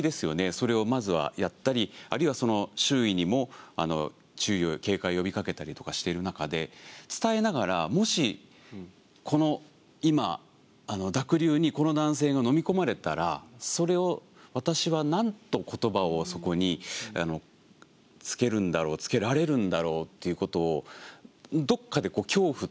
それをまずはやったりあるいは周囲にも注意を警戒を呼びかけたりとかしている中で伝えながらもしこの今濁流にこの男性がのみ込まれたらそれを私は何と言葉をそこに付けるんだろう付けられるんだろう？ということをどこかで恐怖というか。